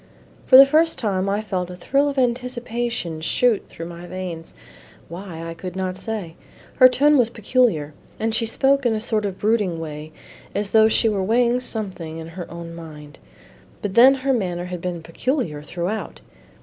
For the first time I felt a thrill of anticipation shoot through my veins. Why, I could not say. Her tone was peculiar, and she spoke in a sort of brooding way as though she were weighing something in her own mind; but then her manner had been peculiar throughout.